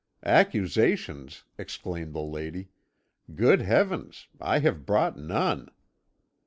"'Accusations!' exclaimed the lady. 'Good Heavens! I have brought none.'